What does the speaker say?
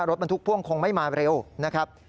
รถบรรทุกพ่วงคงไม่มาเร็วนะครับ